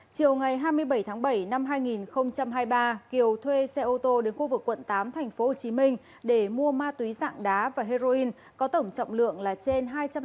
chiều ngày hai mươi bảy tháng bảy năm hai nghìn hai mươi ba kiều thuê xe ô tô đến khu vực quận tám thành phố hồ chí minh để mua ma túy dạng đá và heroin có tổng trọng lượng là trên hai trăm linh hai gram với số tiền tám mươi ba triệu đồng